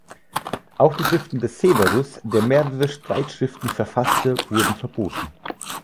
Auch die Schriften des Severus, der mehrere Streitschriften verfasste, wurden verboten.